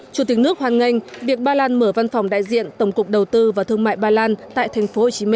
chủ tịch nước hoan nghênh việc ba lan mở văn phòng đại diện tổng cục đầu tư và thương mại ba lan tại tp hcm